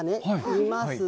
います。